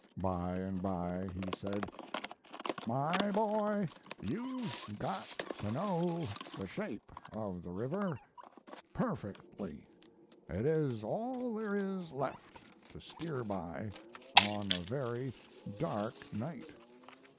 By and by he said: "My boy, you've got to know the shape of the river perfectly. It is all there is left to steer by on a very dark night.